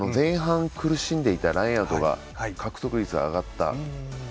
前半、苦しんでいたラインアウトの獲得率が上がった。